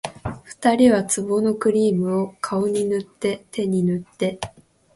二人は壺のクリームを、顔に塗って手に塗って